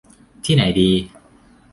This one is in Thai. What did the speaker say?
ที่ไหนดี